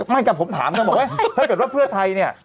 ไม่กับผมถามเขาบอกว่าเผื่อไทยเนี่ย